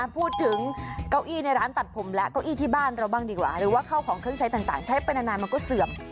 พูดถึงเก้าอี้ในร้านตัดผมและเก้าอี้ที่บ้านเราบ้างดีกว่าหรือว่าเข้าของเครื่องใช้ต่างใช้ไปนานมันก็เสื่อม